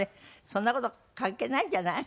そんな事関係ないんじゃない？